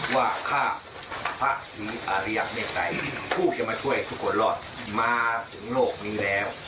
ว่าข้าพระศรีอาริยเมตรัยผู้จะมาช่วยทุกคนรอดมาถึงโลกนี้แล้ว